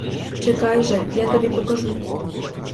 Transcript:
Чекай же, я тобі покажу!